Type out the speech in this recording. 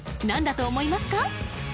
何だと思いますか？